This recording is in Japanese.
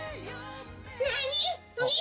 何？